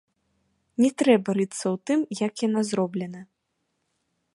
Не трэба рыцца ў тым, як яна зроблена.